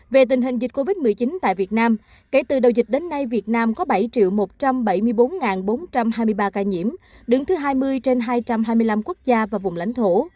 về tình hình dịch covid một mươi chín tại việt nam kể từ đầu dịch đến nay việt nam có bảy một trăm bảy mươi bốn bốn trăm hai mươi ba ca nhiễm đứng thứ hai mươi trên hai trăm hai mươi năm quốc gia và vùng lãnh thổ